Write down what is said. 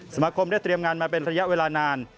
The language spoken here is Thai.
สมาคมได้เตรียมงานมาเป็นระยะเวลานาน